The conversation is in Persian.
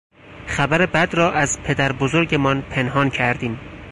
خبر بد را از پدربزرگمان پنهان کردیم.